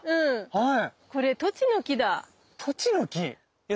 はい。